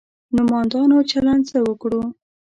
نومندانو چلند څه وکړو.